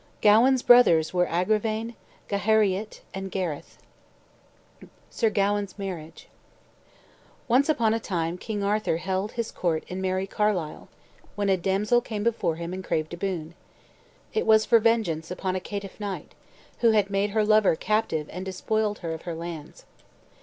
Gawain's brothers were Agrivain, Gahariet, and Gareth. SIR GAWAIN'S MARRIAGE Once upon a time King Arthur held his court in merry Carlisle, when a damsel came before him and craved a boon. It was for vengeance upon a caitiff knight, who had made her lover captive and despoiled her of her lands.